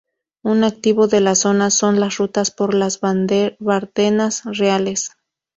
Un activo de la zona son las rutas por las Bardenas Reales.